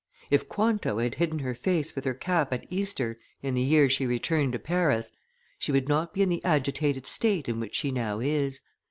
If Quanto had hidden her face with her cap at Easter in the year she returned to Paris, she would not be in the agitated state in which she now is.